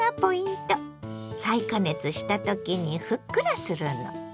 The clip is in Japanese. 再加熱した時にふっくらするの。